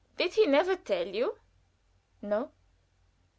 "Did he never tell you?" "No."